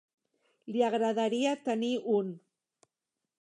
Li agradaria tenir un.